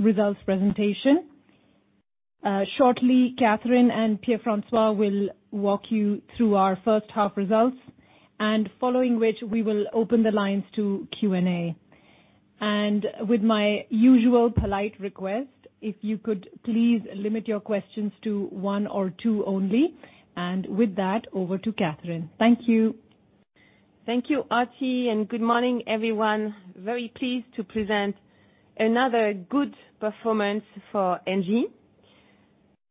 Results presentation. Shortly, Catherine and Pierre-François will walk you through our first half results, and following which we will open the lines to Q&A. With my usual polite request, if you could please limit your questions to one or two only. With that, over to Catherine. Thank you. Thank you, Aarti, and good morning, everyone. Very pleased to present another good performance for ENGIE.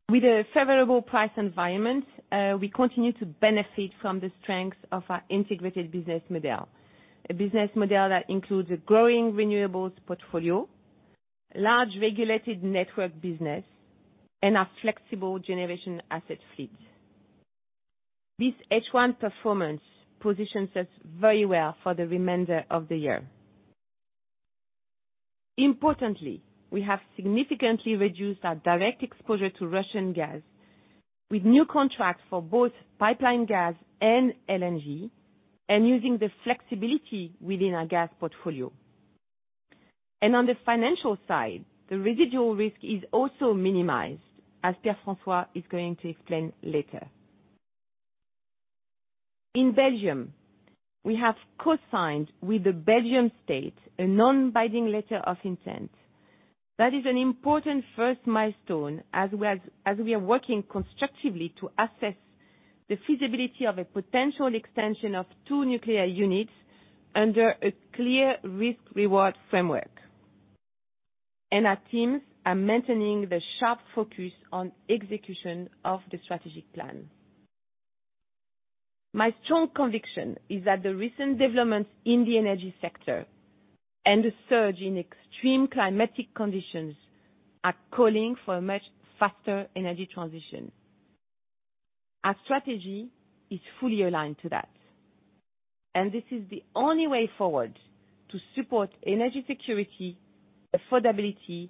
With a favorable price environment, we continue to benefit from the strength of our integrated business model. A business model that includes a growing renewables portfolio, large regulated network business, and our flexible generation asset fleet. This H1 performance positions us very well for the remainder of the year. Importantly, we have significantly reduced our direct exposure to Russian gas with new contracts for both pipeline gas and LNG and using the flexibility within our gas portfolio. On the financial side, the residual risk is also minimized, as Pierre-François is going to explain later. In Belgium, we have co-signed with the Belgian state a non-binding letter of intent. That is an important first milestone, as we are working constructively to assess the feasibility of a potential extension of two nuclear units under a clear risk-reward framework. Our teams are maintaining the sharp focus on execution of the strategic plan. My strong conviction is that the recent developments in the energy sector and the surge in extreme climatic conditions are calling for a much faster energy transition. Our strategy is fully aligned to that, and this is the only way forward to support energy security, affordability,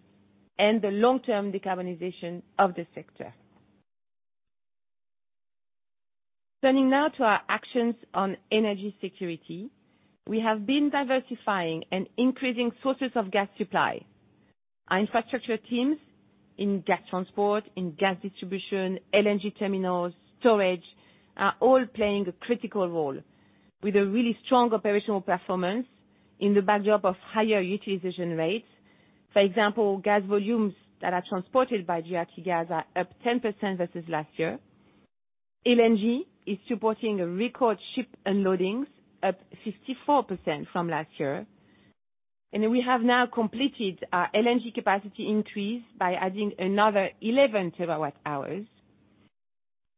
and the long-term decarbonization of the sector. Turning now to our actions on energy security. We have been diversifying and increasing sources of gas supply. Our infrastructure teams in gas transport, in gas distribution, LNG terminals, storage, are all playing a critical role with a really strong operational performance in the backdrop of higher utilization rates. For example, gas volumes that are transported by GRTgaz are up 10% versus last year. LNG is supporting a record ship unloadings up 54% from last year. We have now completed our LNG capacity increase by adding another 11 TWh.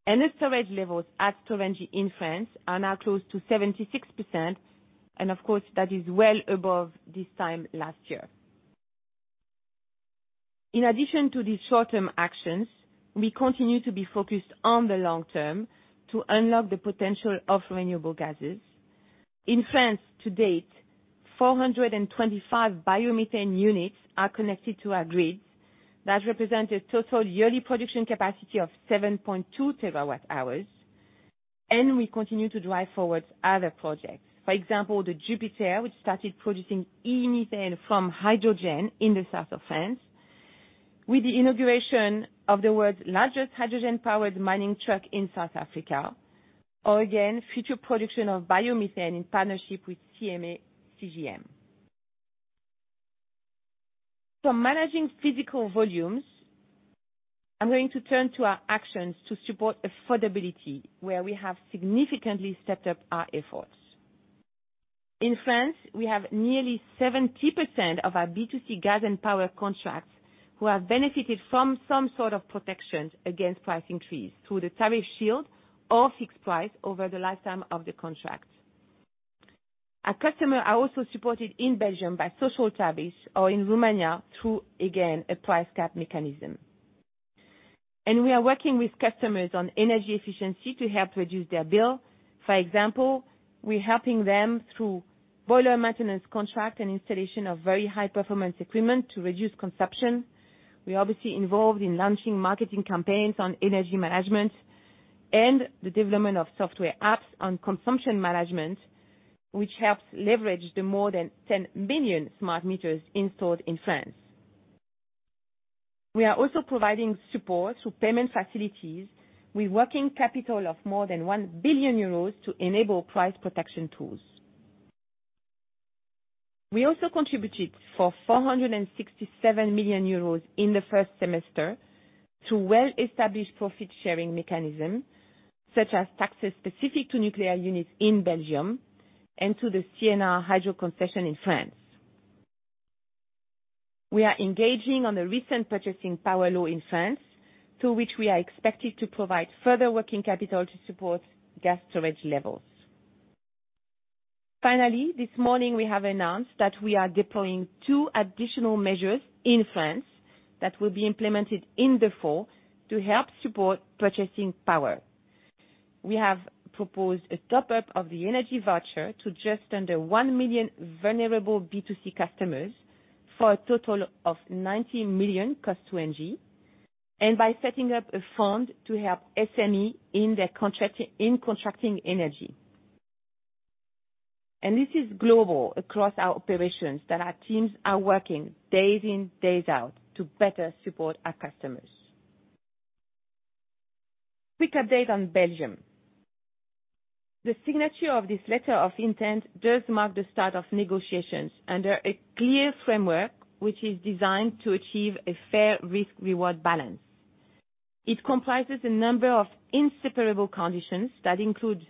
The storage levels at Storengy in France are now close to 76%, and of course, that is well above this time last year. In addition to these short-term actions, we continue to be focused on the long term to unlock the potential of renewable gases. In France to date, 425 biomethane units are connected to our grids. That represent a total yearly production capacity of 7.2 TWh. We continue to drive forward other projects. For example, the Jupiter, which started producing e-methane from hydrogen in the south of France. With the inauguration of the world's largest hydrogen-powered mining truck in South Africa. Again, future production of biomethane in partnership with CMA CGM. From managing physical volumes, I'm going to turn to our actions to support affordability, where we have significantly stepped up our efforts. In France, we have nearly 70% of our B2C gas and power contracts who have benefited from some sort of protections against price increase through the tariff shield or fixed price over the lifetime of the contract. Our customers are also supported in Belgium by social tariffs or in Romania through, again, a price cap mechanism. We are working with customers on energy efficiency to help reduce their bill. For example, we're helping them through boiler maintenance contract and installation of very high performance equipment to reduce consumption. We're obviously involved in launching marketing campaigns on energy management and the development of software apps on consumption management, which helps leverage the more than 10 million smart meters installed in France. We are also providing support through payment facilities with working capital of more than 1 billion euros to enable price protection tools. We also contributed for 467 million euros in the first semester through well-established profit-sharing mechanism, such as taxes specific to nuclear units in Belgium and to the CNR hydro concession in France. We are engaging on the recent purchasing power law in France, through which we are expected to provide further working capital to support gas storage levels. Finally, this morning we have announced that we are deploying two additional measures in France that will be implemented in the fall to help support purchasing power. We have proposed a top-up of the energy voucher to just under 1 million vulnerable B2C customers for a total of 90 million cost to ENGIE, and by setting up a fund to help SME in contracting energy. This is global across our operations that our teams are working days in, days out to better support our customers. Quick update on Belgium. The signature of this letter of intent does mark the start of negotiations under a clear framework, which is designed to achieve a fair risk-reward balance. It comprises a number of inseparable conditions that include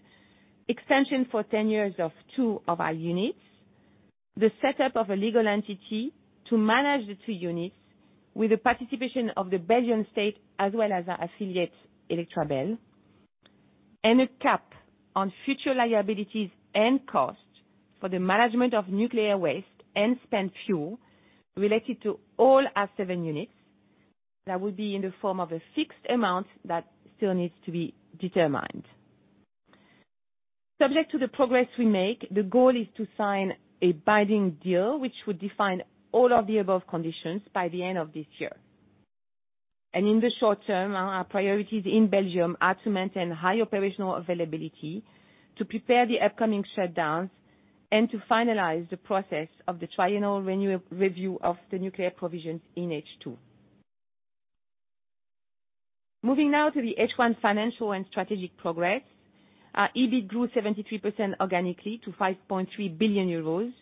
extension for 10 years of two of our units, the setup of a legal entity to manage the two units with the participation of the Belgian state, as well as our affiliate Electrabel, and a cap on future liabilities and costs for the management of nuclear waste and spent fuel related to all our seven units that will be in the form of a fixed amount that still needs to be determined. Subject to the progress we make, the goal is to sign a binding deal which would define all of the above conditions by the end of this year. In the short term, our priorities in Belgium are to maintain high operational availability, to prepare the upcoming shutdowns, and to finalize the process of the triennial renew-review of the nuclear provisions in H2. Moving now to the H1 financial and strategic progress. Our EBIT grew 73% organically to 5.3 billion euros,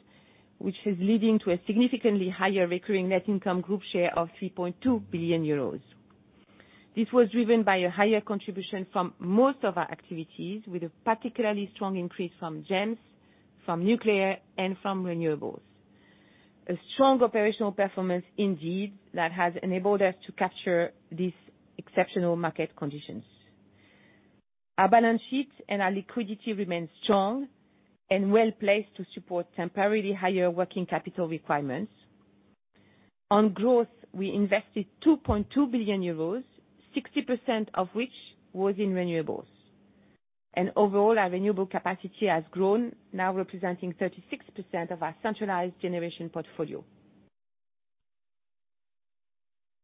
which is leading to a significantly higher recurring net income group share of 3.2 billion euros. This was driven by a higher contribution from most of our activities, with a particularly strong increase from GEMS, from nuclear, and from renewables. A strong operational performance indeed, that has enabled us to capture these exceptional market conditions. Our balance sheet and our liquidity remains strong and well-placed to support temporarily higher working capital requirements. On growth, we invested 2.2 billion euros, 60% of which was in renewables. Overall, our renewable capacity has grown, now representing 36% of our centralized generation portfolio.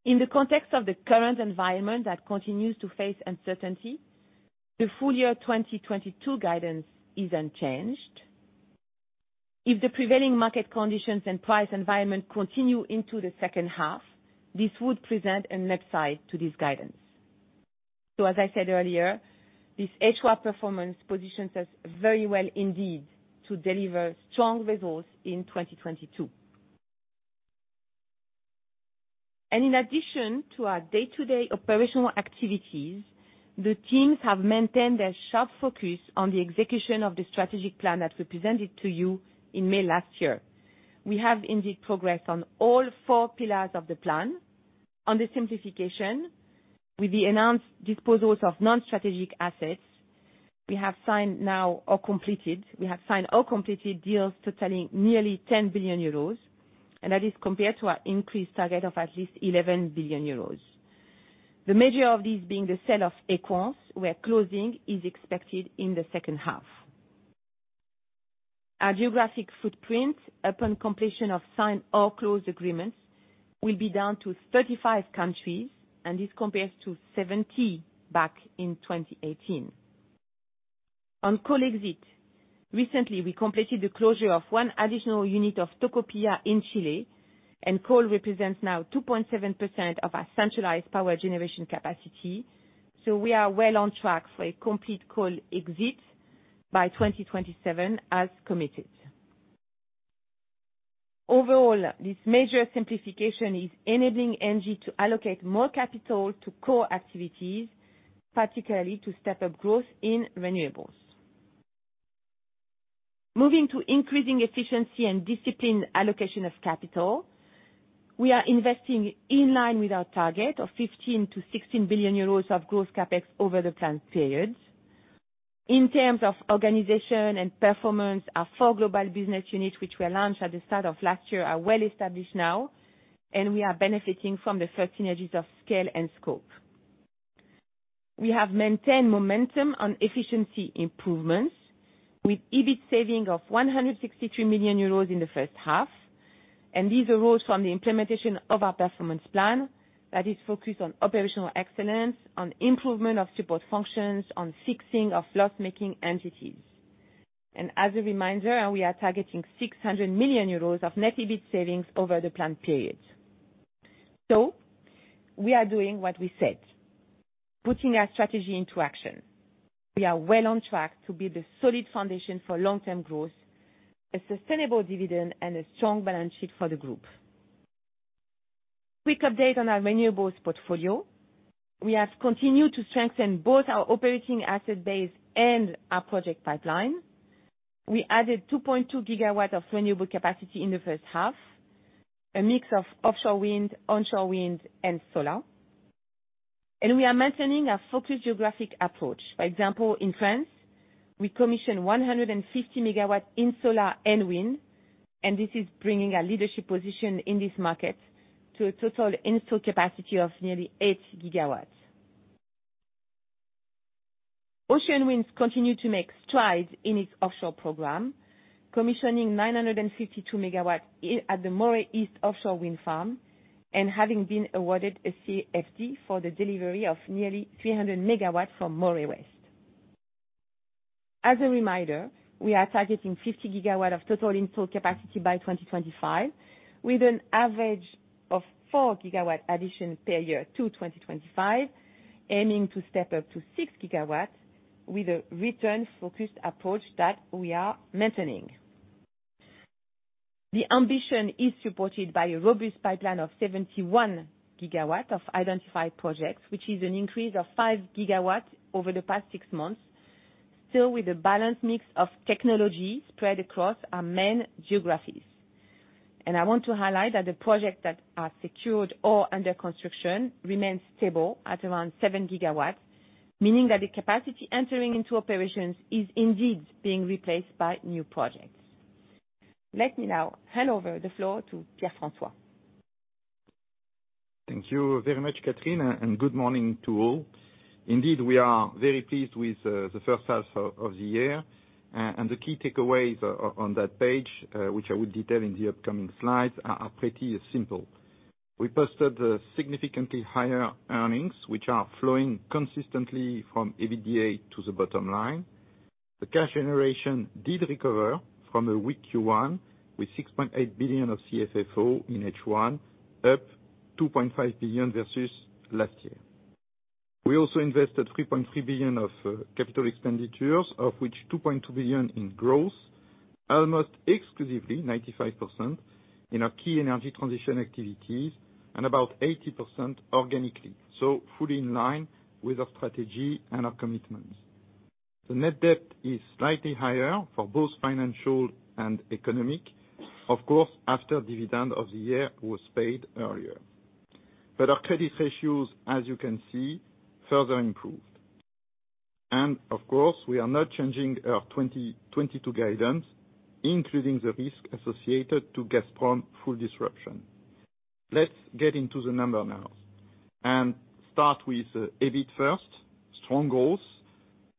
In the context of the current environment that continues to face uncertainty, the full year 2022 guidance is unchanged. If the prevailing market conditions and price environment continue into the second half, this would present an upside to this guidance. As I said earlier, this H1 performance positions us very well indeed to deliver strong results in 2022. In addition to our day-to-day operational activities, the teams have maintained their sharp focus on the execution of the strategic plan that we presented to you in May last year. We have indeed progressed on all four pillars of the plan. On the simplification, with the announced disposals of non-strategic assets, we have signed or completed deals totaling nearly 10 billion euros, and that is compared to our increased target of at least 11 billion euros. The majority of these being the sale of Equans, where closing is expected in the second half. Our geographic footprint upon completion of signed or closed agreements will be down to 35 countries, and this compares to 70 back in 2018. On coal exit, recently we completed the closure of one additional unit of Tocopilla in Chile, and coal represents now 2.7% of our centralized power generation capacity. We are well on track for a complete coal exit by 2027 as committed. Overall, this major simplification is enabling ENGIE to allocate more capital to core activities, particularly to step up growth in renewables. Moving to increasing efficiency and disciplined allocation of capital, we are investing in line with our target of 15 billion-16 billion euros of gross CapEx over the plan period. In terms of organization and performance, our four global business units, which were launched at the start of last year, are well established now, and we are benefiting from the first synergies of scale and scope. We have maintained momentum on efficiency improvements with EBIT saving of 163 million euros in the first half. These arose from the implementation of our performance plan that is focused on operational excellence, on improvement of support functions, on fixing of loss-making entities. As a reminder, we are targeting 600 million euros of net EBIT savings over the plan period. We are doing what we said, putting our strategy into action. We are well on track to build a solid foundation for long-term growth, a sustainable dividend, and a strong balance sheet for the group. Quick update on our renewables portfolio. We have continued to strengthen both our operating asset base and our project pipeline. We added 2.2 GW of renewable capacity in the first half, a mix of offshore wind, onshore wind and solar. We are maintaining our focused geographic approach. For example, in France, we commissioned 150 MW in solar and wind, and this is bringing our leadership position in this market to a total installed capacity of nearly 8 GW. Ocean Winds continue to make strides in its offshore program, commissioning 952 MW at the Moray East offshore wind farm. Having been awarded a CFD for the delivery of nearly 300 MW from Moray West. As a reminder, we are targeting 50 GW of total installed capacity by 2025, with an average of 4 GW addition per year to 2025, aiming to step up to 6 GW with a return focused approach that we are maintaining. The ambition is supported by a robust pipeline of 71 GW of identified projects, which is an increase of 5 GW over the past six months. Still with a balanced mix of technology spread across our main geographies. I want to highlight that the projects that are secured or under construction remain stable at around 7 GW, meaning that the capacity entering into operations is indeed being replaced by new projects. Let me now hand over the floor to Pierre-François. Thank you very much, Catherine, and good morning to all. Indeed, we are very pleased with the first half of the year. And the key takeaways on that page, which I will detail in the upcoming slides, are pretty simple. We posted significantly higher earnings, which are flowing consistently from EBITDA to the bottom line. The cash generation did recover from a weak Q1 with 6.8 billion of CFFO in H1, up 2.5 billion versus last year. We also invested 3.3 billion of capital expenditures, of which 2.2 billion in growth, almost exclusively 95% in our key energy transition activities and about 80% organically. Fully in line with our strategy and our commitments. The net debt is slightly higher for both financial and economic, of course, after dividend of the year was paid earlier. Our credit ratios, as you can see, further improved. Of course we are not changing our 2022 guidance, including the risk associated to Gazprom full disruption. Let's get into the number now and start with EBIT first. Strong growth,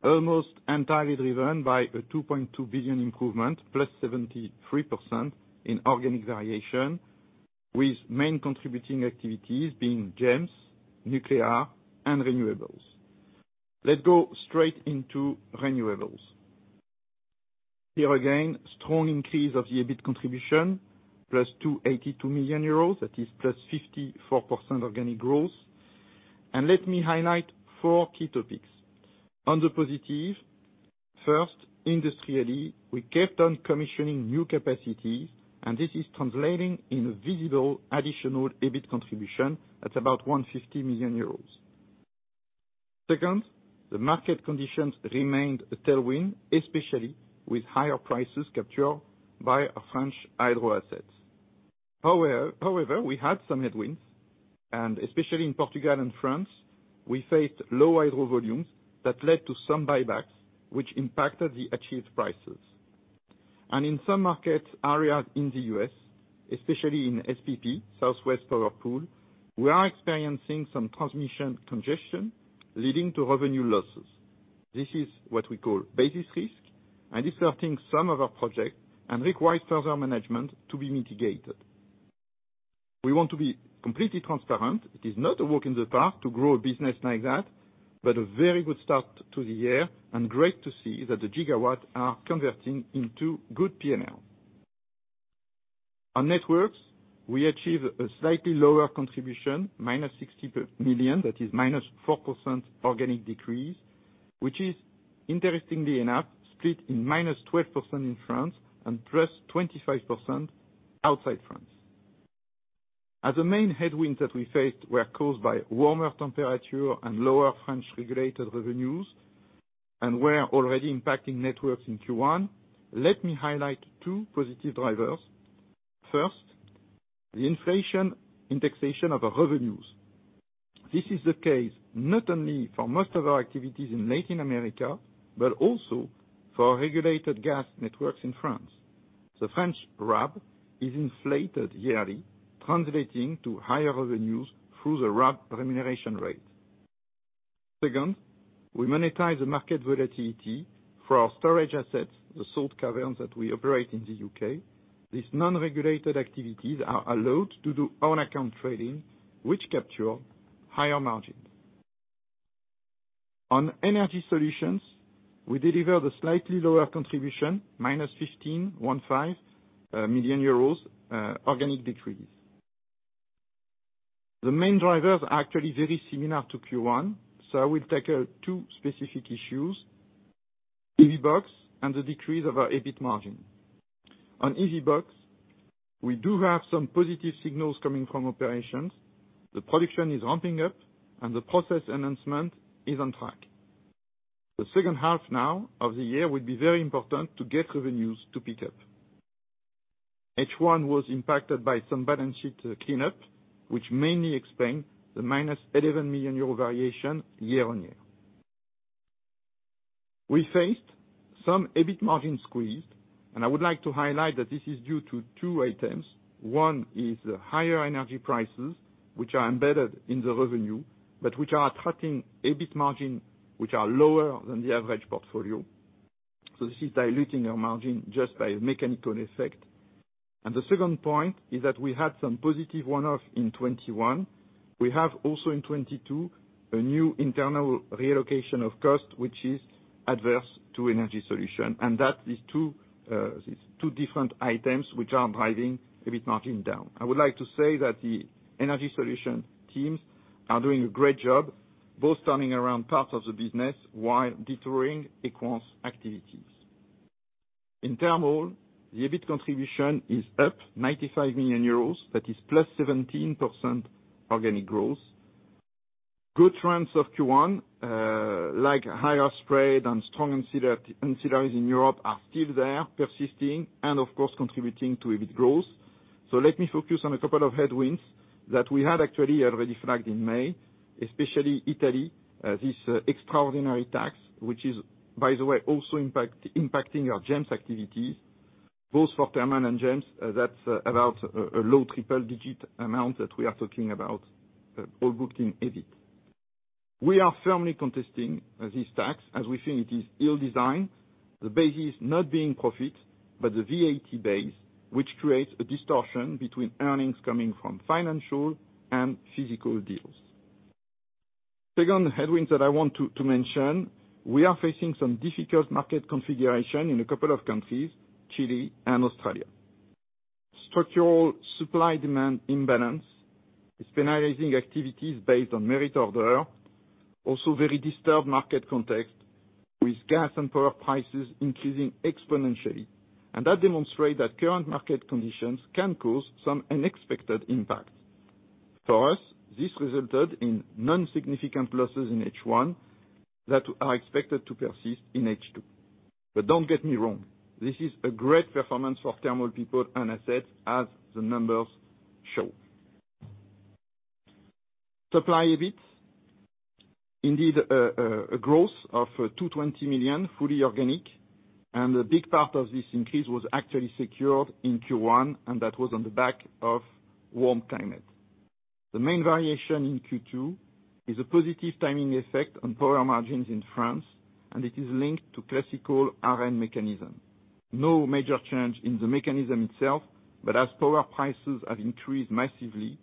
almost entirely driven by a 2.2 billion improvement, +73% in organic variation, with main contributing activities being GEMS, nuclear and renewables. Let's go straight into renewables. Here again, strong increase of the EBIT contribution, 280 million euros, that is +54% organic growth. Let me highlight four key topics. On the positive, first, industrially, we kept on commissioning new capacities and this is translating in a visible additional EBIT contribution at about 150 million euros. Second, the market conditions remained a tailwind, especially with higher prices captured by our French hydro assets. However, we had some headwinds, and especially in Portugal and France, we faced low hydro volumes that led to some buybacks which impacted the achieved prices. In some market areas in the U.S., especially in SPP, Southwest Power Pool, we are experiencing some transmission congestion leading to revenue losses. This is what we call basis risk and it's hurting some of our projects and requires further management to be mitigated. We want to be completely transparent. It is not a walk in the park to grow a business like that, but a very good start to the year and great to see that the gigawatts are converting into good P&L. On networks, we achieve a slightly lower contribution, minus 60 million, that is minus 4% organic decrease, which is interestingly enough split in -12% in France and +25% outside France. As the main headwinds that we faced were caused by warmer temperature and lower French regulated revenues, and were already impacting networks in Q1, let me highlight two positive drivers. First, the inflation indexation of our revenues. This is the case not only for most of our activities in Latin America, but also for our regulated gas networks in France. The French RAB is inflated yearly, translating to higher revenues through the RAB remuneration rate. Second, we monetize the market volatility for our storage assets, the salt caverns that we operate in the U.K. These non-regulated activities are allowed to do own account trading which capture higher margins. On energy solutions, we deliver the slightly lower contribution, -15.15 million euros, organic decrease. The main drivers are actually very similar to Q1, so I will tackle two specific issues, EVBox and the decrease of our EBIT margin. On EVBox, we do have some positive signals coming from operations. The production is ramping up and the process enhancement is on track. The second half now of the year will be very important to get revenues to pick up. H1 was impacted by some balance sheet cleanup which mainly explain the -11 million euro variation year-on-year. We faced some EBIT margin squeeze, and I would like to highlight that this is due to two items. One is the higher energy prices which are embedded in the revenue, but which are attracting EBIT margin which are lower than the average portfolio. This is diluting our margin just by a mechanical effect. The second point is that we had some positive one-off in 2021. We have also in 2022, a new internal reallocation of cost, which is adverse to energy solution. That is two, these two different items which are driving EBIT margin down. I would like to say that the energy solution teams are doing a great job, both turning around parts of the business while demerging Equans activities. In thermal, the EBIT contribution is up 95 million euros. That is +17% organic growth. Good trends of Q1, like higher spread and strong incidentals in Europe are still there persisting, and of course contributing to EBIT growth. Let me focus on a couple of headwinds that we had actually already flagged in May, especially Italy. This extraordinary tax, which is, by the way, also impacting our GEMS activities, both for thermal and GEMS. That's about a low triple digit amount that we are talking about all booked in EBIT. We are firmly contesting this tax, as we think it is ill-designed, the basis not being profit, but the VAT base, which creates a distortion between earnings coming from financial and physical deals. Second headwinds that I want to mention, we are facing some difficult market configuration in a couple of countries, Chile and Australia. Structural supply-demand imbalance is penalizing activities based on merit order. Also very disturbed market context with gas and power prices increasing exponentially. That demonstrate that current market conditions can cause some unexpected impact. For us, this resulted in non-significant losses in H1 that are expected to persist in H2. Don't get me wrong, this is a great performance for thermal people and assets as the numbers show. Supply EBIT. Indeed, growth of 220 million, fully organic, and a big part of this increase was actually secured in Q1, and that was on the back of warm climate. The main variation in Q2 is a positive timing effect on power margins in France, and it is linked to classic ARENH mechanism. No major change in the mechanism itself, but as power prices have increased massively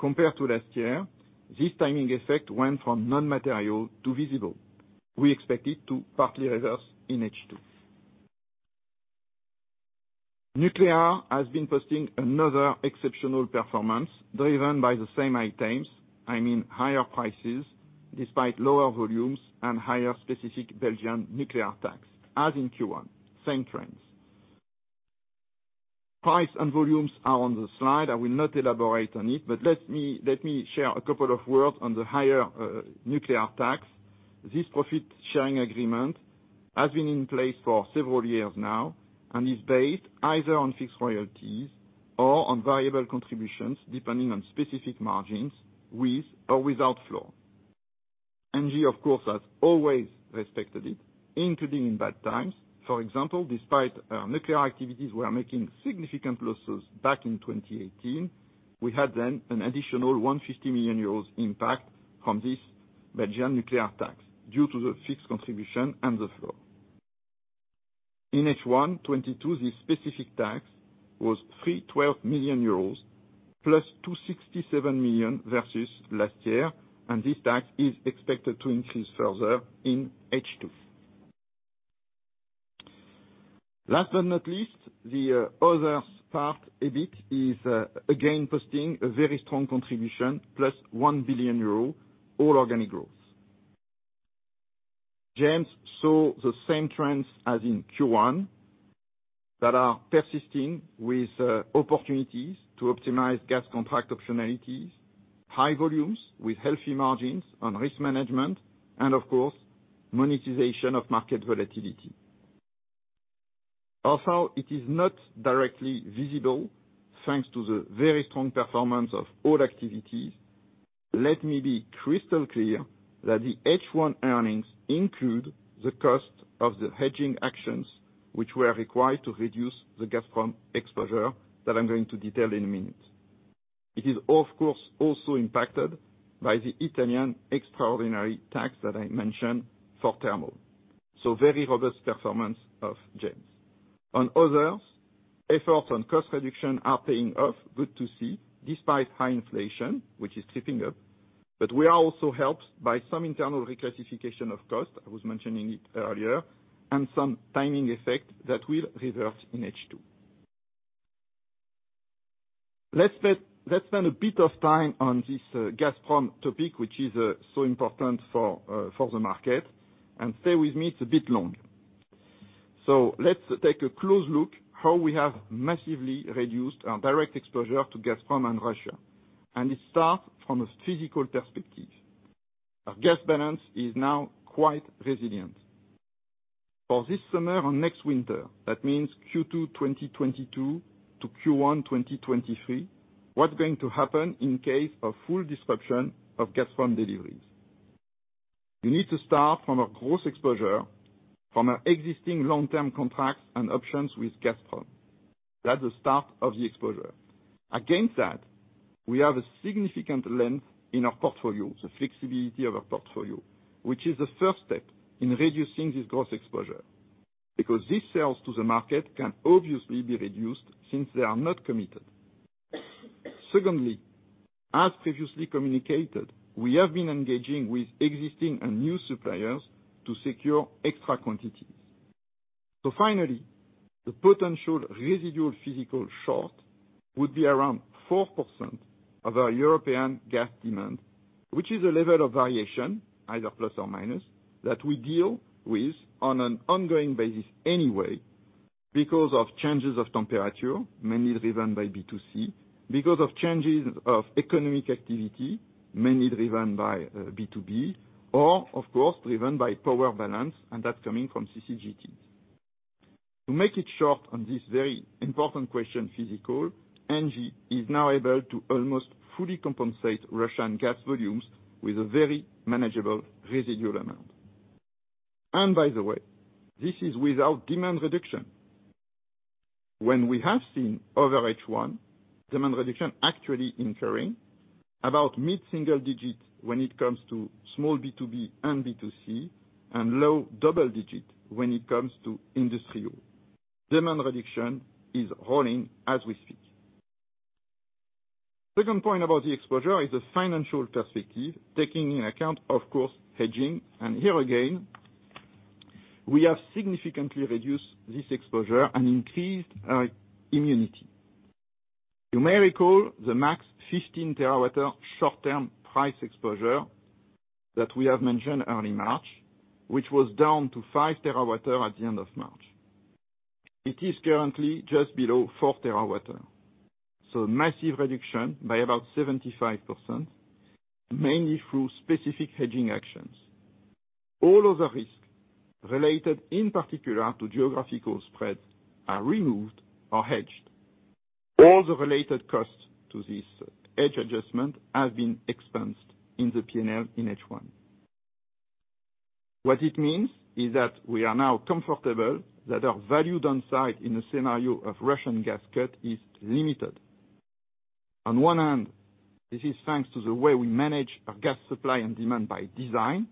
compared to last year, this timing effect went from non-material to visible. We expect it to partly reverse in H2. Nuclear has been posting another exceptional performance driven by the same items. I mean higher prices despite lower volumes and higher specific Belgian nuclear tax as in Q1. Same trends. Price and volumes are on the slide. I will not elaborate on it, but let me share a couple of words on the higher nuclear tax. This profit-sharing agreement has been in place for several years now, and is based either on fixed royalties or on variable contributions depending on specific margins, with or without floor. ENGIE, of course, has always respected it, including in bad times. For example, despite our nuclear activities were making significant losses back in 2018, we had then an +150 million euros impact from this Belgian nuclear tax due to the fixed contribution and the floor. In H1 2022, this specific tax was 312 million euros, +267 million versus last year, and this tax is expected to increase further in H2. Last but not least, the other part, EBIT, is again posting a very strong contribution, +1 billion euro, all organic growth. GEMS saw the same trends as in Q1 that are persisting with opportunities to optimize gas contract optionalities, high volumes with healthy margins on risk management and of course, monetization of market volatility. Also, it is not directly visible, thanks to the very strong performance of all activities, let me be crystal clear that the H1 earnings include the cost of the hedging actions which were required to reduce the Gazprom exposure that I'm going to detail in a minute. It is of course also impacted by the Italian extraordinary tax that I mentioned for thermal. Very robust performance of GEMS. On others, efforts on cost reduction are paying off, good to see, despite high inflation, which is creeping up. We are also helped by some internal reclassification of costs, I was mentioning it earlier, and some timing effect that will reverse in H2. Let's spend a bit of time on this Gazprom topic, which is so important for the market. Stay with me, it's a bit long. Let's take a close look how we have massively reduced our direct exposure to Gazprom and Russia, and it starts from a physical perspective. Our gas balance is now quite resilient. For this summer and next winter, that means Q2 2022-Q1 2023, what's going to happen in case of full disruption of Gazprom deliveries? You need to start from a gross exposure from our existing long-term contracts and options with Gazprom. That's the start of the exposure. Against that, we have a significant length in our portfolio, the flexibility of our portfolio, which is the first step in reducing this gross exposure because these sales to the market can obviously be reduced since they are not committed. Secondly, as previously communicated, we have been engaging with existing and new suppliers to secure extra quantities. Finally, the potential residual physical short would be around 4% of our European gas demand, which is a level of variation, either plus or minus, that we deal with on an ongoing basis anyway because of changes of temperature, mainly driven by B2C, because of changes of economic activity, mainly driven by B2B, or of course, driven by power balance, and that's coming from CCGT. To make it short on this very important question, physical, ENGIE is now able to almost fully compensate Russian gas volumes with a very manageable residual amount. By the way, this is without demand reduction. When we have seen over H1, demand reduction actually incurring about mid-single digit when it comes to small B2B and B2C and low double digit when it comes to industrial. Demand reduction is rolling as we speak. Second point about the exposure is the financial perspective, taking into account, of course, hedging. Here again, we have significantly reduced this exposure and increased our immunity. You may recall the max 15 TWh short-term price exposure that we have mentioned early March, which was down to 5 TWh at the end of March. It is currently just below 4 TWh. Massive reduction by about 75%, mainly through specific hedging actions. All of the risk related in particular to geographical spreads are removed or hedged. All the related costs to this hedge adjustment have been expensed in the P&L in H1. What it means is that we are now comfortable that our value downside in a scenario of Russian gas cut is limited. On one hand, this is thanks to the way we manage our gas supply and demand by design,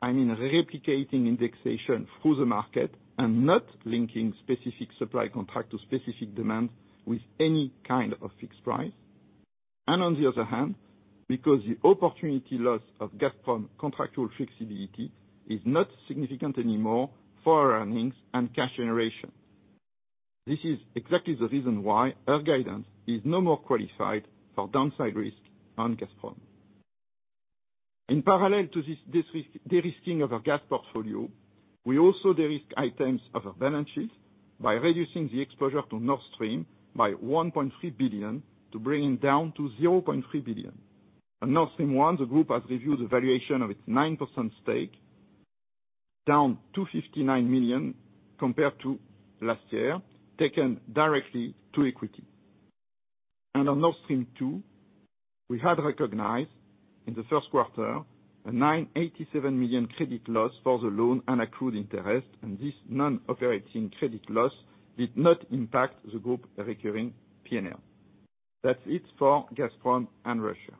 and in replicating indexation through the market and not linking specific supply contract to specific demand with any kind of fixed price. On the other hand, because the opportunity loss of Gazprom contractual flexibility is not significant anymore for our earnings and cash generation. This is exactly the reason why our guidance is no more qualified for downside risk on Gazprom. In parallel to this de-risking of our gas portfolio, we also de-risk items of our balance sheet by reducing the exposure to Nord Stream by 1.3 billion to bring it down to 0.3 billion. On Nord Stream 1, the group has reviewed the valuation of its 9% stake, down 259 million compared to last year, taken directly to equity. On Nord Stream 2, we had recognized in the first quarter a 987 million credit loss for the loan and accrued interest, and this non-operating credit loss did not impact the group recurring P&L. That's it for Gazprom and Russia.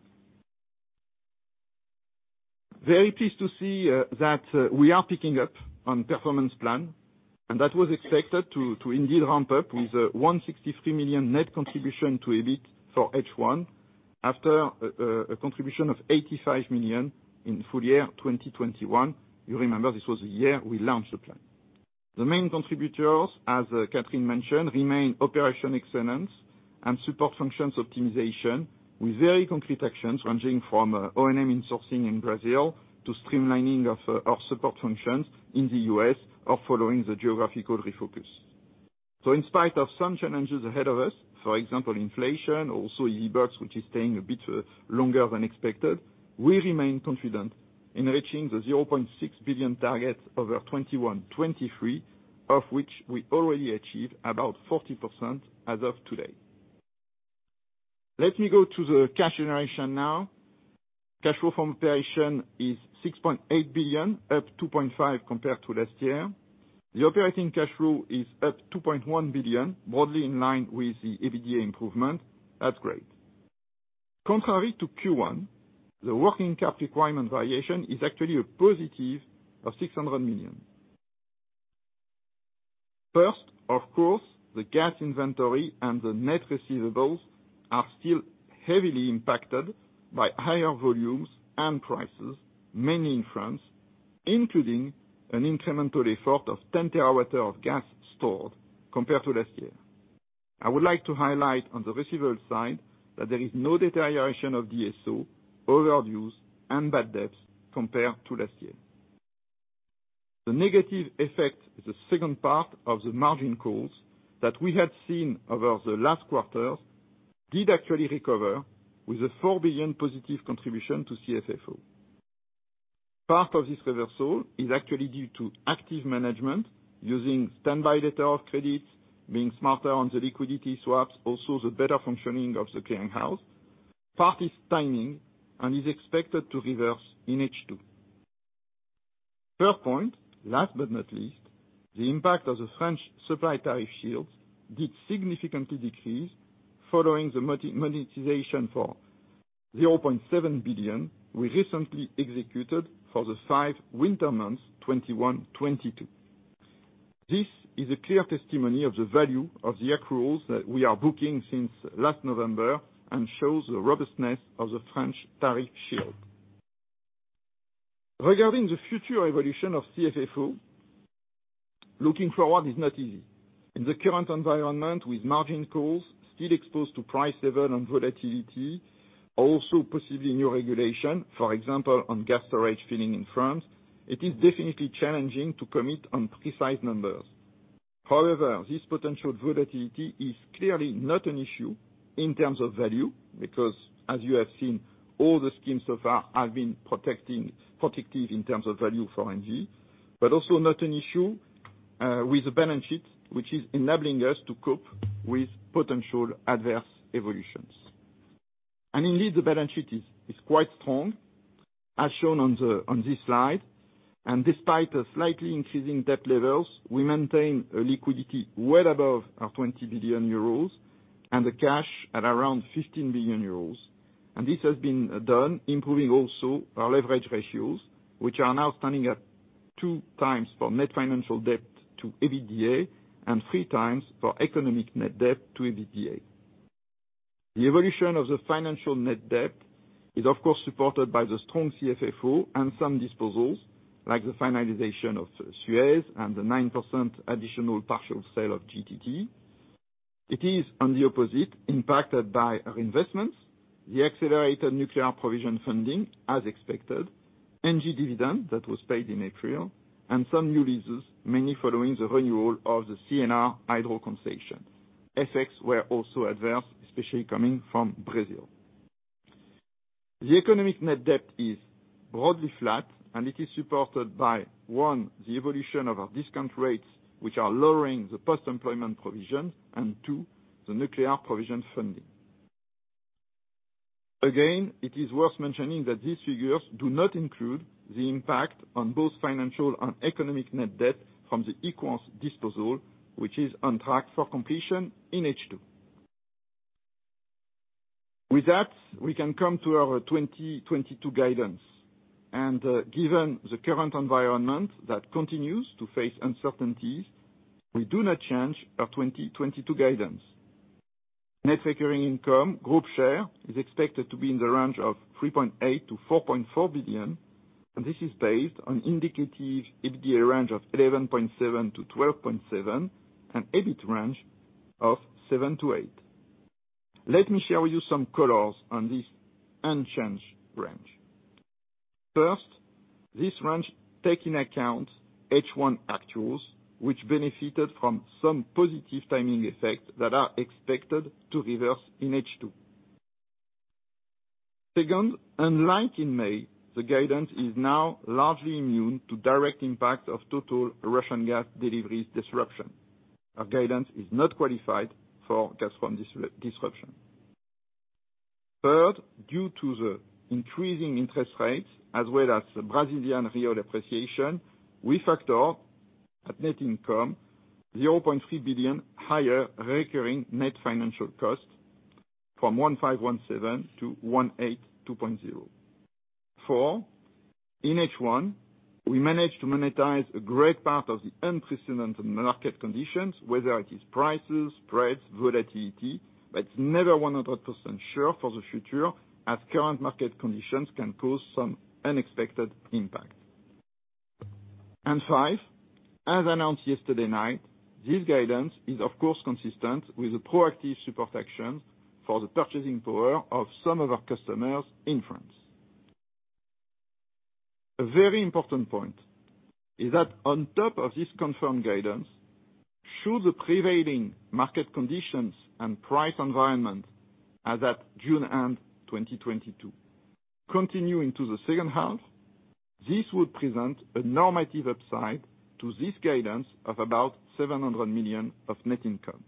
Very pleased to see that we are picking up on performance plan, and that was expected to indeed ramp up with 163 million net contribution to EBIT for H1 after a contribution of 85 million in full year 2021. You remember this was the year we launched the plan. The main contributors, as Catherine mentioned, remain operational excellence and support functions optimization, with very concrete actions ranging from O&M insourcing in Brazil to streamlining of our support functions in the U.S. or following the geographical refocus. In spite of some challenges ahead of us, for example, inflation, also Equans, which is staying a bit longer than expected, we remain confident in reaching the 0.6 billion target over 2021-2023, of which we already achieved about 40% as of today. Let me go to the cash generation now. Cash flow from operations is 6.8 billion, up 2.5 billion compared to last year. The operating cash flow is up 2.1 billion, broadly in line with the EBITDA improvement upgrade. Contrary to Q1, the working capital requirement variation is actually a positive of 600 million. First, of course, the gas inventory and the net receivables are still heavily impacted by higher volumes and prices, mainly in France, including an incremental effort of 10 TWh of gas stored compared to last year. I would like to highlight on the receivable side that there is no deterioration of DSO, overdues and bad debts compared to last year. The negative effect is the second part of the margin calls that we had seen over the last quarter did actually recover with a 4 billion positive contribution to CFFO. Part of this reversal is actually due to active management using standby letter of credit, being smarter on the liquidity swaps, also the better functioning of the clearing house. Part is timing, and is expected to reverse in H2. Next point, last but not least, the impact of the French tariff shield did significantly decrease following the monetization for 0.7 billion we recently executed for the five winter months, 2021, 2022. This is a clear testimony of the value of the accruals that we are booking since last November and shows the robustness of the French tariff shield. Regarding the future evolution of CFFO, looking forward is not easy. In the current environment, with margin calls still exposed to price level and volatility, also possibly new regulation, for example, on gas storage filling in France, it is definitely challenging to commit on precise numbers. However, this potential volatility is clearly not an issue in terms of value because, as you have seen, all the schemes so far have been protecting, protective in terms of value for ENGIE. Also not an issue with the balance sheet, which is enabling us to cope with potential adverse evolutions. Indeed, the balance sheet is quite strong, as shown on this slide. Despite a slightly increasing debt levels, we maintain a liquidity well above our 20 billion euros and the cash at around 15 billion euros. This has been done improving also our leverage ratios, which are now standing at 2x for net financial debt to EBITDA and 3x for economic net debt to EBITDA. The evolution of the financial net debt is of course supported by the strong CFFO and some disposals, like the finalization of Suez and the 9% additional partial sale of GTT. It is, on the opposite, impacted by our investments, the accelerated nuclear provision funding, as expected, ENGIE dividend that was paid in April, and some new leases, mainly following the renewal of the CNR Hydro concession. Effects were also adverse, especially coming from Brazil. The economic net debt is broadly flat, and it is supported by, one, the evolution of our discount rates, which are lowering the post-employment provision, and two, the nuclear provision funding. It is worth mentioning that these figures do not include the impact on both financial and economic net debt from the Equans disposal, which is on track for completion in H2. With that, we can come to our 2022 guidance. Given the current environment that continues to face uncertainties, we do not change our 2022 guidance. Net recurring income group share is expected to be in the range of 3.8 billion-4.4 billion, and this is based on indicative EBITDA range of 11.7 billion-12.7 billion, and EBIT range of 7 billion-8 billion. Let me share with you some colors on this unchanged range. First, this range takes into account H1 actuals, which benefited from some positive timing effects that are expected to reverse in H2. Second, unlike in May, the guidance is now largely immune to direct impact of total Russian gas deliveries disruption. Our guidance is not qualified for gas from disruption. Third, due to the increasing interest rates, as well as the Brazilian real appreciation, we factor in net income 0.3 billion higher recurring net financial cost from 1.517 billion-1.82 billion. Four, in H1, we managed to monetize a great part of the unprecedented market conditions, whether it is prices, spreads, volatility, but never 100% sure for the future, as current market conditions can cause some unexpected impact. Five, as announced yesterday night, this guidance is of course consistent with the proactive support action for the purchasing power of some of our customers in France. A very important point is that on top of this confirmed guidance, should the prevailing market conditions and price environment as at June end 2022 continuing to the second half, this would present a normative upside to this guidance of about 700 million of net income.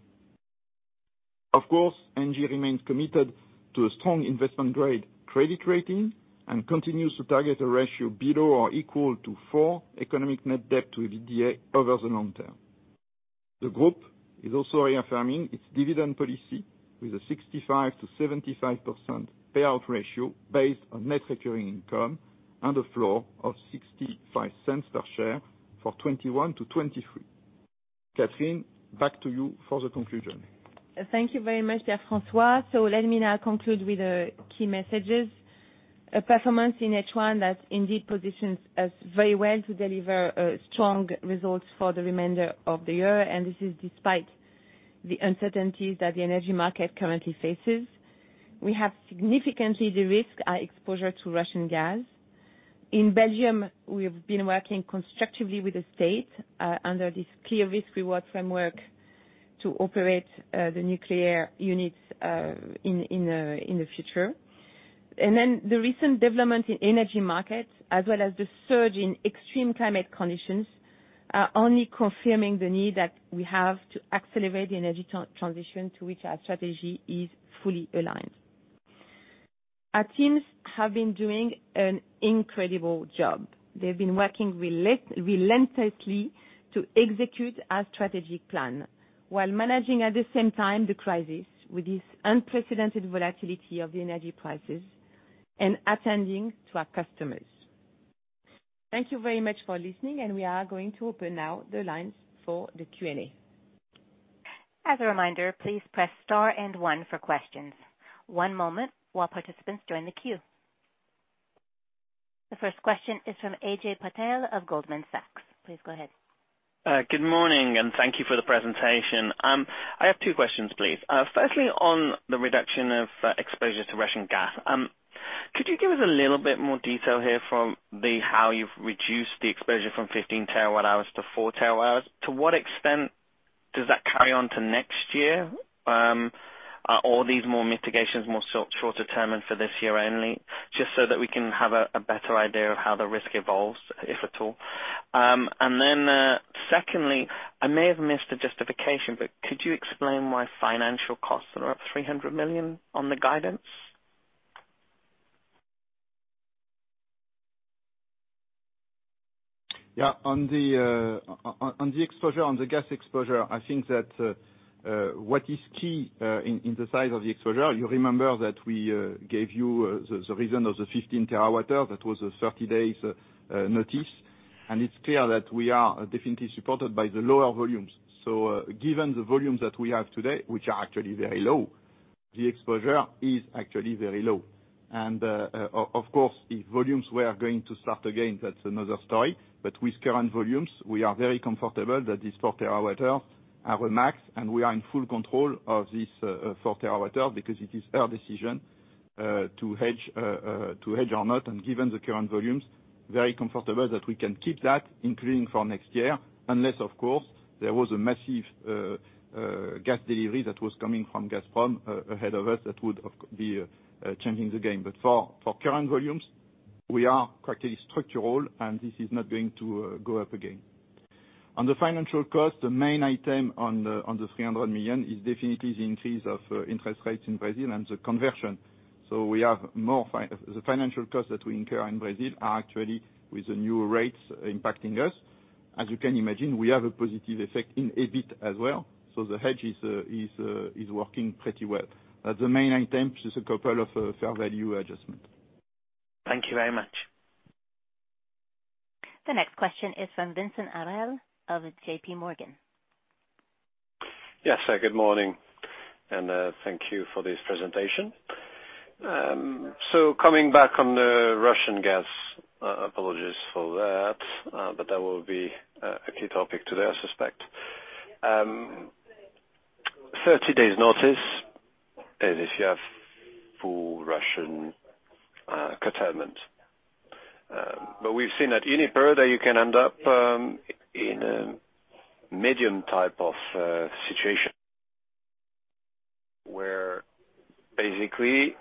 Of course, ENGIE remains committed to a strong investment-grade credit rating and continues to target a ratio below or equal to four economic net debt to EBITDA over the long term. The group is also reaffirming its dividend policy with a 65%-75% payout ratio based on net recurring income and a floor of 0.65 per share for 2021 to 2023. Catherine, back to you for the conclusion. Thank you very much, Pierre-François. Let me now conclude with the key messages. A performance in H1 that indeed positions us very well to deliver strong results for the remainder of the year, and this is despite the uncertainties that the energy market currently faces. We have significantly de-risked our exposure to Russian gas. In Belgium, we have been working constructively with the state under this clear risk-reward framework to operate the nuclear units in the future. The recent development in energy markets, as well as the surge in extreme climate conditions, are only confirming the need that we have to accelerate the energy transition to which our strategy is fully aligned. Our teams have been doing an incredible job. They've been working relentlessly to execute our strategic plan while managing, at the same time, the crisis with this unprecedented volatility of the energy prices and attending to our customers. Thank you very much for listening, and we are going to open now the lines for the Q&A. As a reminder, please press star and one for questions. One moment while participants join the queue. The first question is from Ajay Patel of Goldman Sachs. Please go ahead. Good morning, thank you for the presentation. I have two questions, please. Firstly, on the reduction of exposure to Russian gas. Could you give us a little bit more detail here on how you've reduced the exposure from 15 TWh-4 TWh? To what extent does that carry on to next year? Are all these more mitigations more short-term and for this year only? Just so that we can have a better idea of how the risk evolves, if at all. Secondly, I may have missed the justification, but could you explain why financial costs are up 300 million on the guidance? Yeah. On the gas exposure, I think that what is key in the size of the exposure, you remember that we gave you the reason of the 15 TWh. That was a 30 days notice. It's clear that we are definitely supported by the lower volumes. Given the volumes that we have today, which are actually very low, the exposure is actually very low. Of course, if volumes were going to start again, that's another story. With current volumes, we are very comfortable that this 4 TWh are max, and we are in full control of this 4 TWh because it is our decision to hedge or not. Given the current volumes, very comfortable that we can keep that, including for next year, unless, of course, there was a massive gas delivery that was coming from Gazprom ahead of us that would of course be changing the game. For current volumes, we are quite structural, and this is not going to go up again. On the financial cost, the main item on the 300 million is definitely the increase of interest rates in Brazil and the conversion. The financial costs that we incur in Brazil are actually with the newer rates impacting us. As you can imagine, we have a positive effect in EBIT as well, so the hedge is working pretty well. The main item is just a couple of fair value adjustment. Thank you very much. The next question is from Vincent Sorel of JPMorgan. Yes. Good morning, and thank you for this presentation. Coming back on the Russian gas, apologies for that, but that will be a key topic today, I suspect. 30 days' notice, and if you have full Russian curtailment. We've seen at Uniper that you can end up in a medium-term type of situation where basically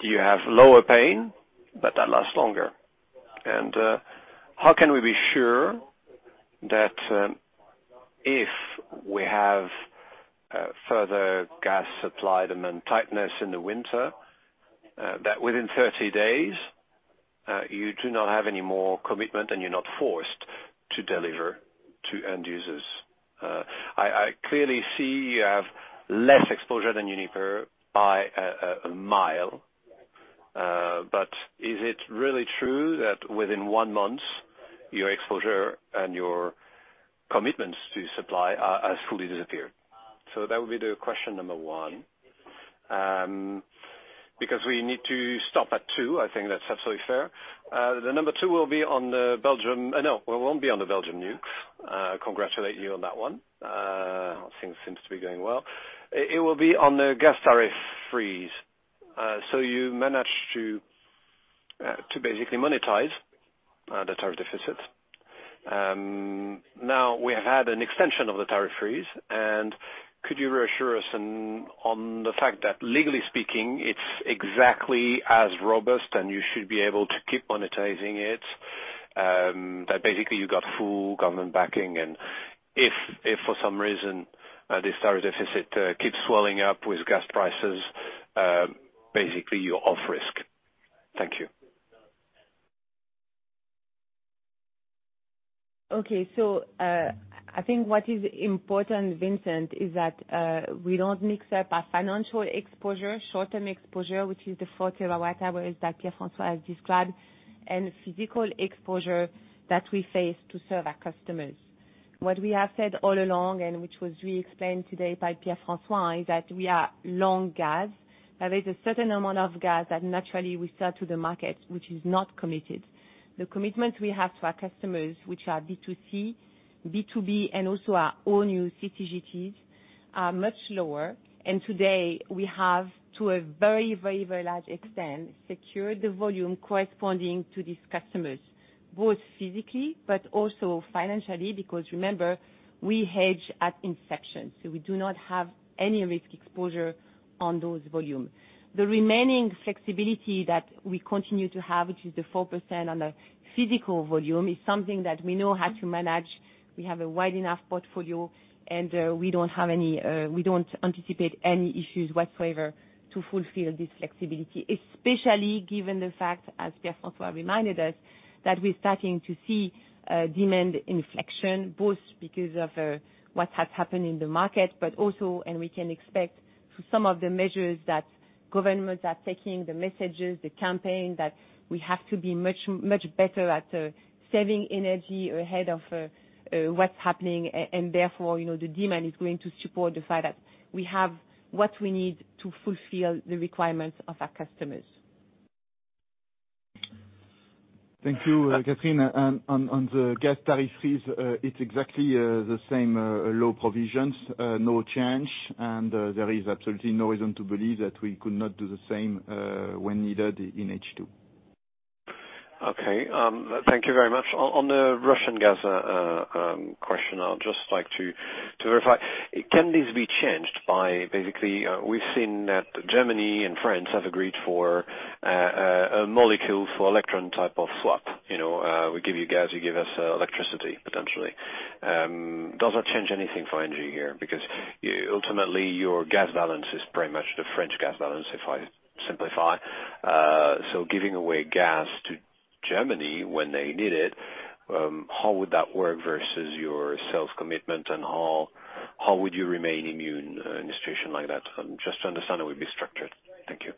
you have lower pain, but that lasts longer. How can we be sure that, if we have further gas supply demand tightness in the winter, that within 30 days, you do not have any more commitment and you're not forced to deliver to end users? I clearly see you have less exposure than Uniper by a mile. Is it really true that within one month your exposure and your commitments to supply has fully disappeared? That would be the question number one. Because we need to stop at two, I think that's absolutely fair. The number two will be on the Belgium. No, it won't be on the Belgium nukes. Congratulate you on that one. Things seems to be going well. It will be on the gas tariff freeze. You managed to to basically monetize the tariff deficit. Now we have had an extension of the tariff freeze, and could you reassure us on the fact that legally speaking, it's exactly as robust and you should be able to keep monetizing it, that basically you got full government backing, and if for some reason this tariff deficit keeps swelling up with gas prices, basically you're off risk? Thank you. Okay. I think what is important, Vincent, is that we don't mix up our financial exposure, short-term exposure, which is the 4 TWh that Pierre-François has described, and physical exposure that we face to serve our customers. What we have said all along, and which was re-explained today by Pierre-François, is that we are long gas. Now, there's a certain amount of gas that naturally we sell to the market, which is not committed. The commitment we have to our customers, which are B2C, B2B, and also our own new CCGTs, are much lower. Today, we have to a very large extent, secured the volume corresponding to these customers, both physically but also financially, because remember, we hedge at inception, so we do not have any risk exposure on those volume. The remaining flexibility that we continue to have, which is the 4% on the physical volume, is something that we know how to manage. We have a wide enough portfolio, and, we don't have any, we don't anticipate any issues whatsoever to fulfill this flexibility, especially given the fact, as Pierre-François reminded us, that we're starting to see. Demand inflection, both because of what has happened in the market, but also, and we can expect through some of the measures that governments are taking, the messages, the campaign, that we have to be much, much better at saving energy ahead of what's happening. Therefore, you know, the demand is going to support the fact that we have what we need to fulfill the requirements of our customers. Thank you, Catherine. On the gas tariff shield, it's exactly the same low provisions, no change, and there is absolutely no reason to believe that we could not do the same when needed in H2. Okay. Thank you very much. On the Russian gas question, I'd just like to verify. Can this be changed by basically, we've seen that Germany and France have agreed for a molecule for electron type of swap. You know, we give you gas, you give us electricity, potentially. Does that change anything for ENGIE here? Because ultimately your gas balance is pretty much the French gas balance, if I simplify. So giving away gas to Germany when they need it, how would that work versus your self-commitment, and how would you remain immune in a situation like that? Just to understand how it'd be structured. Thank you.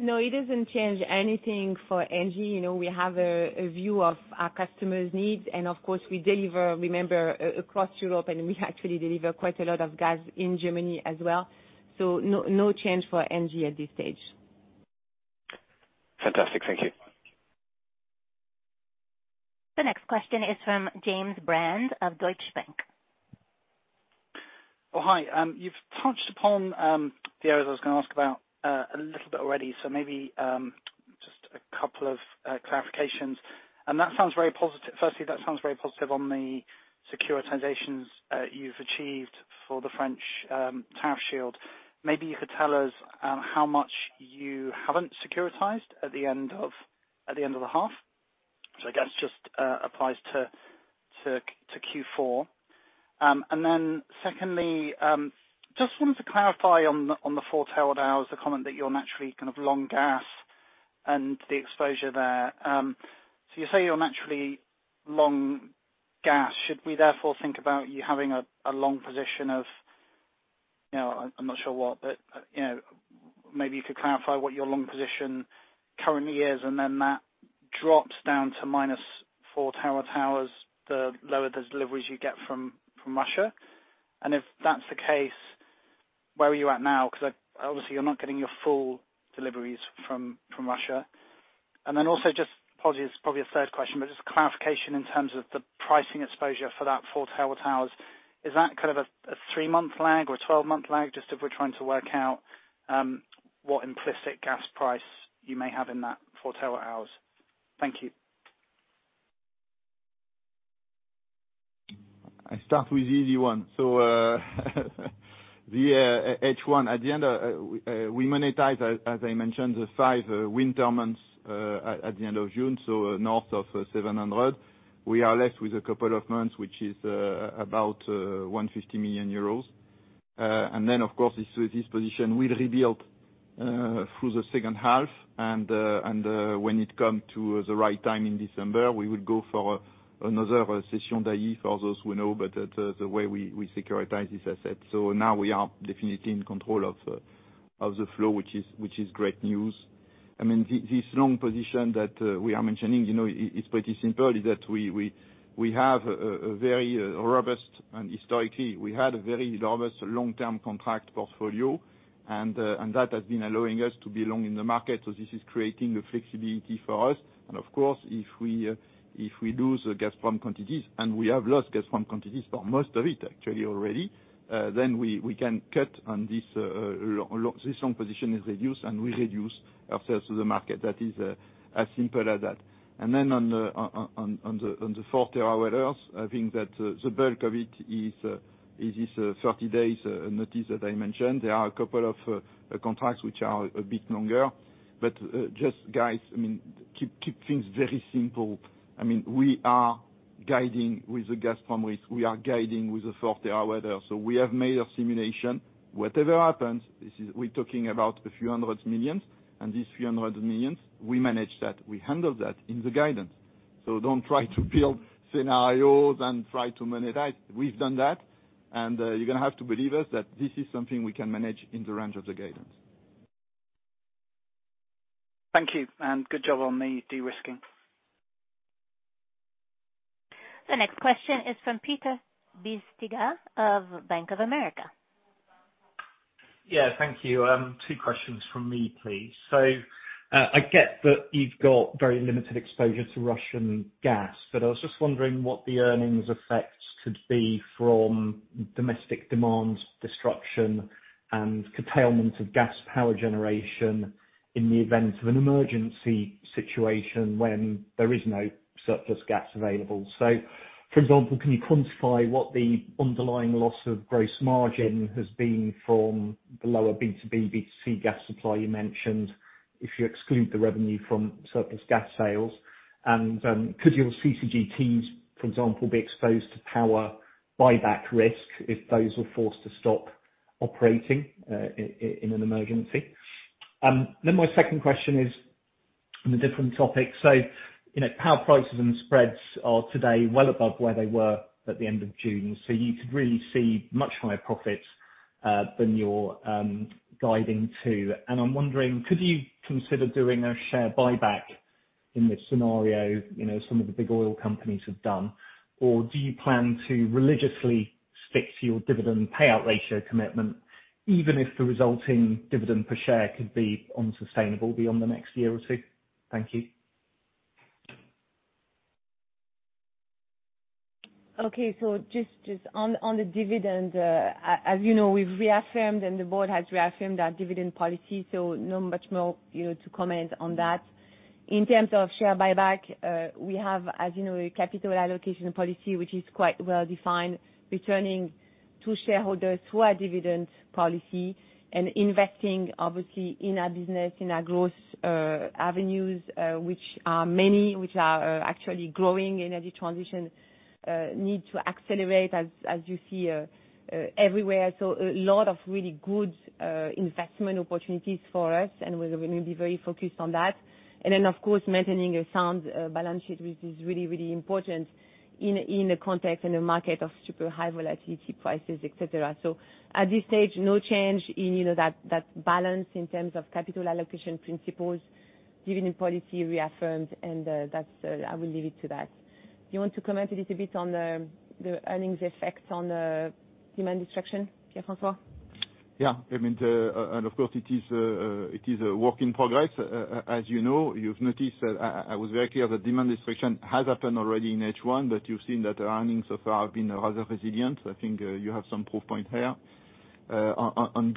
No, it doesn't change anything for ENGIE. You know, we have a view of our customers' needs, and of course, we deliver, remember, across Europe, and we actually deliver quite a lot of gas in Germany as well. No change for ENGIE at this stage. Fantastic. Thank you. The next question is from James Brand of Deutsche Bank. Oh, hi. You've touched upon the areas I was gonna ask about a little bit already, so maybe just a couple of clarifications. That sounds very positive. Firstly, that sounds very positive on the securitizations you've achieved for the French tariff shield. Maybe you could tell us how much you haven't securitized at the end of the half. I guess just applies to Q4. Then secondly, just wanted to clarify on the 4 TWh, the comment that you're naturally kind of long gas, and the exposure there. You say you're naturally long gas. Should we therefore think about you having a long position of, you know, I'm not sure what, but you know, maybe you could clarify what your long position currently is, and then that drops down to -4 TWh the lower the deliveries you get from Russia. If that's the case, where are you at now? Because obviously you're not getting your full deliveries from Russia. Then also just probably a third question, but just clarification in terms of the pricing exposure for that 4 TWh. Is that kind of a three month lag or a 12-month lag? Just if we're trying to work out what implicit gas price you may have in that 4 TWh. Thank you. I start with the easy one. The H1. At the end, we monetize, as I mentioned, the five winter months, at the end of June, so north of 700. We are left with a couple of months, which is about 150 million euros. And then of course this position will rebuild through the second half, and when it come to the right time in December, we will go for another Cession Dailly for those who know, but the way we securitize this asset. Now we are definitely in control of the flow, which is great news. I mean, this long position that we are mentioning, you know, it's pretty simple, is that we have a very robust, and historically we had a very robust long-term contract portfolio and that has been allowing us to be long in the market. This is creating a flexibility for us. Of course, if we lose the Gazprom quantities, and we have lost Gazprom quantities for most of it actually already, then we can cut on this. This long position is reduced, and we reduce our sales to the market. That is as simple as that. Then on the 4 TWh, I think that the bulk of it is this 30 days notice that I mentioned. There are a couple of contracts which are a bit longer. Just guys, I mean, keep things very simple. I mean, we are guiding with the gas price risk. We are guiding with the 4 TWh. We have made a simulation. Whatever happens, this is, we're talking about a few hundred million EUR, and this few hundred million EUR, we manage that. We handle that in the guidance. Don't try to build scenarios and try to monetize. We've done that, and you're gonna have to believe us that this is something we can manage in the range of the guidance. Thank you, and good job on the de-risking. The next question is from Peter Bisztyga of Bank of America. Yeah. Thank you. Two questions from me, please. I get that you've got very limited exposure to Russian gas, but I was just wondering what the earnings effects could be from domestic demand destruction and curtailment of gas power generation in the event of an emergency situation when there is no surplus gas available. For example, can you quantify what the underlying loss of gross margin has been from the lower B2B, B2C gas supply you mentioned, if you exclude the revenue from surplus gas sales? And, could your CCGTs, for example, be exposed to power buyback risk if those were forced to stop operating, in an emergency? My second question is on a different topic. You know, power prices and spreads are today well above where they were at the end of June, so you could really see much higher profits than you're guiding to. I'm wondering, could you consider doing a share buyback in this scenario, you know, some of the big oil companies have done? Or do you plan to religiously stick to your dividend payout ratio commitment, even if the resulting dividend per share could be unsustainable beyond the next year or two? Thank you. Okay, on the dividend, as you know, we've reaffirmed and the board has reaffirmed our dividend policy, so not much more, you know, to comment on that. In terms of share buyback, we have, as you know, a capital allocation policy which is quite well-defined, returning to shareholders through our dividend policy and investing, obviously, in our business, in our growth avenues, which are many, actually growing in energy transition need to accelerate as you see everywhere. A lot of really good investment opportunities for us, and we're gonna be very focused on that. Then, of course, maintaining a sound balance sheet, which is really important in the context and the market of super high volatility prices, et cetera. At this stage, no change in that balance in terms of capital allocation principles. Dividend policy reaffirmed and, that's, I will leave it to that. You want to comment a little bit on the earnings effects on demand destruction, Pierre-François? Yeah. I mean, of course it is a work in progress. As you know, you've noticed that I was very clear the demand destruction has happened already in H1, but you've seen that the earnings so far have been rather resilient. I think you have some proof point there. On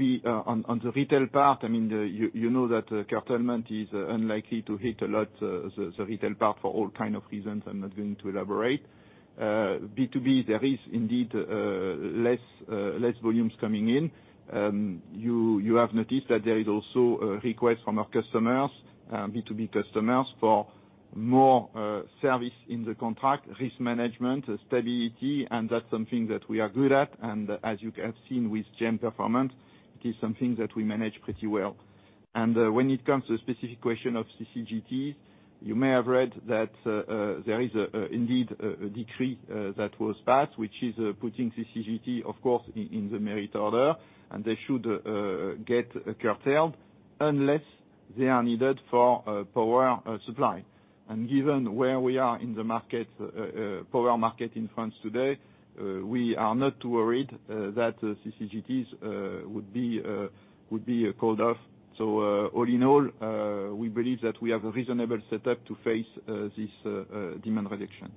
the retail part, I mean, you know that curtailment is unlikely to hit a lot the retail part for all kind of reasons. I'm not going to elaborate. B2B, there is indeed less volumes coming in. You have noticed that there is also a request from our customers, B2B customers, for more service in the contract, risk management, stability, and that's something that we are good at, and as you have seen with GEMS performance, it is something that we manage pretty well. When it comes to specific question of CCGT, you may have read that there is indeed a decree that was passed, which is putting CCGT, of course, in the merit order, and they should get curtailed, unless they are needed for power supply. Given where we are in the market, power market in France today, we are not worried that the CCGTs would be called off. All in all, we believe that we have a reasonable setup to face this demand reduction.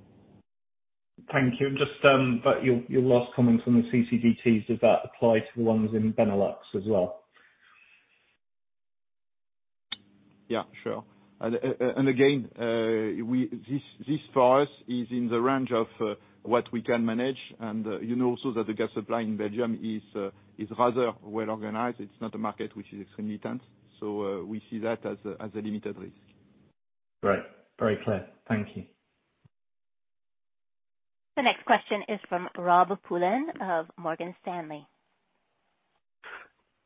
Thank you. Just, your last comment on the CCGTs, does that apply to the ones in Benelux as well? Yeah, sure. Again, this for us is in the range of what we can manage. You know, also that the gas supply in Belgium is rather well organized. It's not a market which is extremely tense. We see that as a limited risk. Great. Very clear. Thank you. The next question is from Rob Pulleyn of Morgan Stanley.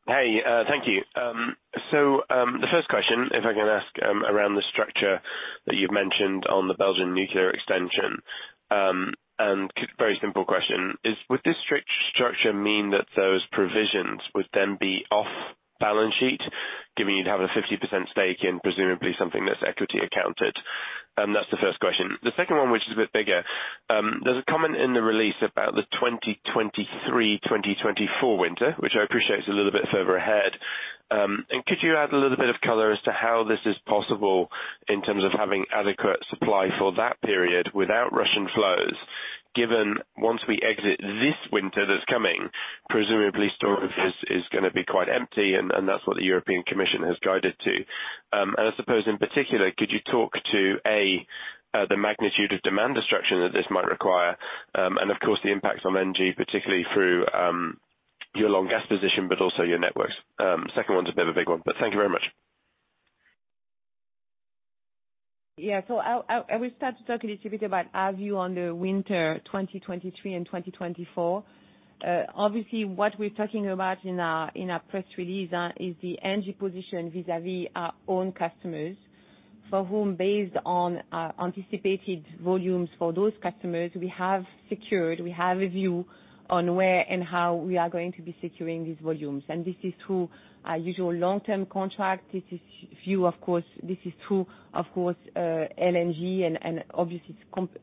Hey, thank you. So, the first question, if I can ask, around the structure that you've mentioned on the Belgian nuclear extension, and very simple question, is would this structure mean that those provisions would then be off balance sheet, given you'd have a 50% stake in presumably something that's equity accounted? That's the first question. The second one, which is a bit bigger, there's a comment in the release about the 2023-2024 winter, which I appreciate is a little bit further ahead. Could you add a little bit of color as to how this is possible in terms of having adequate supply for that period without Russian flows, given once we exit this winter that's coming, presumably storage is gonna be quite empty, and that's what the European Commission has guided to. I suppose in particular, could you talk about the magnitude of demand destruction that this might require, and of course the impacts on NG, particularly through your long gas position, but also your networks? Second one's a bit of a big one, but thank you very much. I will start to talk a little bit about our view on the winter 2023 and 2024. Obviously what we're talking about in our press release is the NG position vis-à-vis our own customers, for whom, based on our anticipated volumes for those customers, we have secured, we have a view on where and how we are going to be securing these volumes. This is through our usual long-term contract. This is through, of course, LNG and obviously it's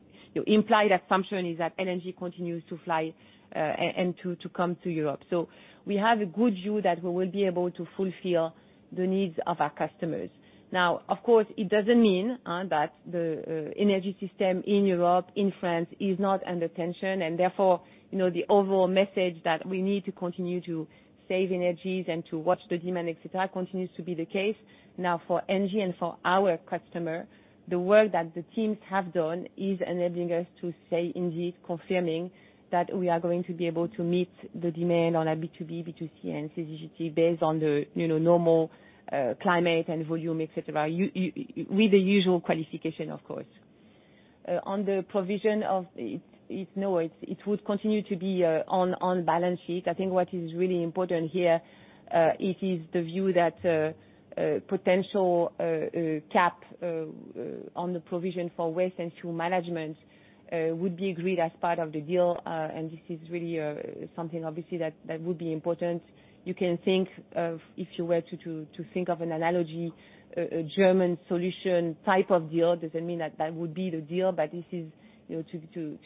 implied assumption is that LNG continues to fly and to come to Europe. We have a good view that we will be able to fulfill the needs of our customers. Now, of course, it doesn't mean that the energy system in Europe, in France, is not under tension, and therefore, you know, the overall message that we need to continue to save energy and to watch the demand, et cetera, continues to be the case. Now, for NG and for our customer, the work that the teams have done is enabling us to say, indeed confirming that we are going to be able to meet the demand on our B2B, B2C and CCGT based on the, you know, normal climate and volume, et cetera. Yeah, with the usual qualification, of course. On the provision of it, no, it would continue to be on balance sheet. I think what is really important here, it is the view that a potential cap on the provision for waste and fuel management would be agreed as part of the deal. This is really something obviously that would be important. You can think of if you were to think of an analogy, a German solution type of deal. Doesn't mean that would be the deal, but this is, you know,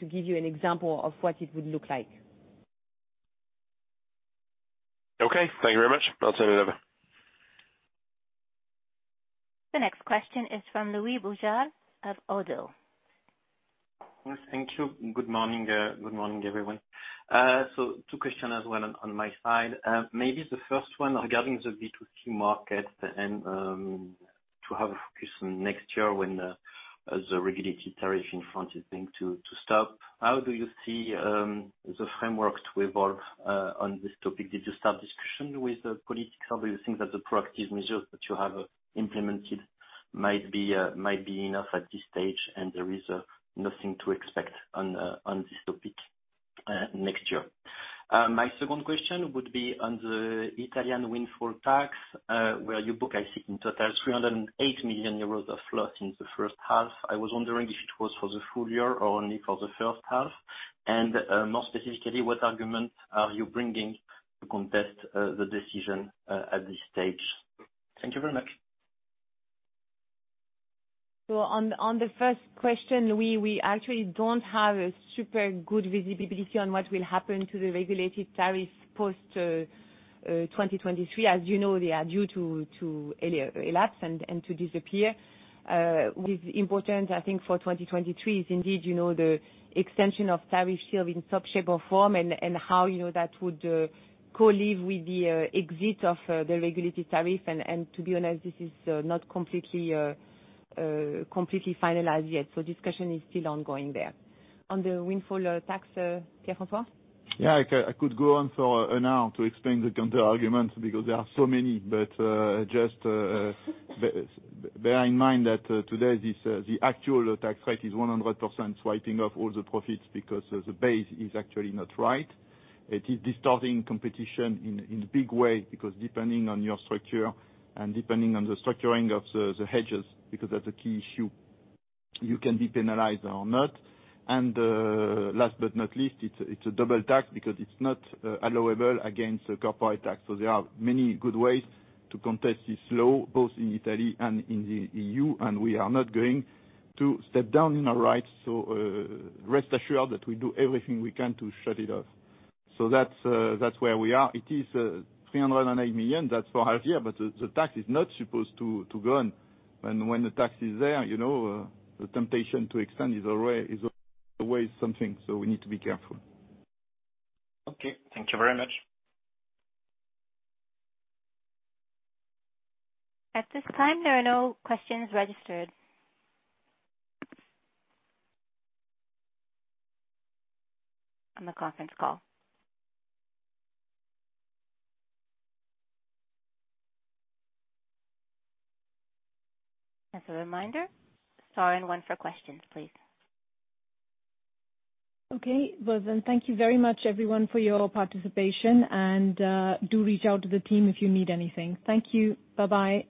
to give you an example of what it would look like. Okay. Thank you very much. I'll turn it over. The next question is from Louis Boujard of Oddo BHF. Yes, thank you. Good morning. Good morning, everyone. Two question as well on my side. Maybe the first one regarding the B2C market and to have a focus on next year when the regulated tariff in France is going to stop. How do you see the framework to evolve on this topic? Did you start discussion with the politicians? Or do you think that the protective measures that you have implemented might be enough at this stage and there is nothing to expect on this topic next year? My second question would be on the Italian windfall tax, where you book, I think, in total 308 million euros of cost in the first half. I was wondering if it was for the full year or only for the first half. More specifically, what argument are you bringing to contest the decision at this stage? Thank you very much. On the first question, we actually don't have a super good visibility on what will happen to the regulated tariff post 2023. As you know, they are due to elapse and to disappear. What is important, I think, for 2023 is indeed, you know, the extension of tariff shield in some shape or form and how, you know, that would coexist with the exit of the regulated tariff. To be honest, this is not completely finalized yet. Discussion is still ongoing there. On the windfall tax, Pierre-François? Yeah. I could go on for an hour to explain the counter arguments because there are so many. Just bear in mind that today, the actual tax rate is 100%, swiping off all the profits because the base is actually not right. It is distorting competition in a big way because depending on your structure and depending on the structuring of the hedges, because that's a key issue, you can be penalized or not. Last but not least, it's a double tax because it's not allowable against the corporate tax. There are many good ways to contest this law, both in Italy and in the EU, and we are not going to step down in our rights. Rest assured that we do everything we can to shut it off. That's where we are. It is 308 million. That's for half year. The tax is not supposed to go on. When the tax is there, you know, the temptation to extend is always something, so we need to be careful. Okay. Thank you very much. At this time, there are no questions registered on the conference call. As a reminder, star and one for questions, please. Okay. Well, then thank you very much everyone for your participation and do reach out to the team if you need anything. Thank you. Bye-bye.